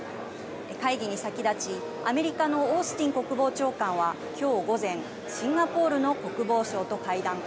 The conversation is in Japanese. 会議に先立ちアメリカのオースティン国防長官はきょう午前シンガポールの国防相と会談